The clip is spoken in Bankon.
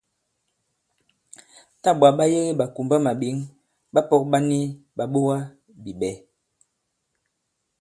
Tâ ɓwǎ ɓa yege ɓàkùmbamàɓěŋ, ɓapɔ̄k ɓa ni ɓàɓogabìɓɛ̌.